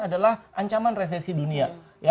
adalah ancaman resesi dunia